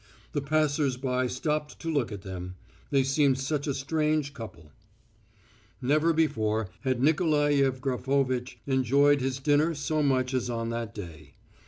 The passers by stopped to look at them; they seemed such a strange couple. Never before had Nikolai Yevgrafovitch enjoyed his dinner so much as on that day.